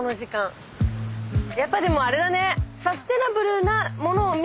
やっぱでもあれだね。